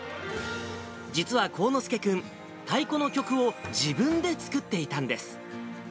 実は幸之助君、太鼓の曲を自分で作っていたんです。